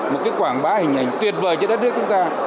một cái quảng bá hình ảnh tuyệt vời cho đất nước chúng ta